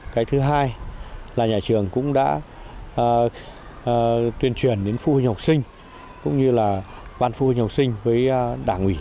cái thứ hai là nhà trường cũng đã tuyên truyền đến phụ huynh học sinh cũng như là ban phụ huynh học sinh với đảng ủy